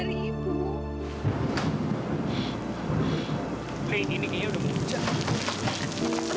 lain ini ini udah muncul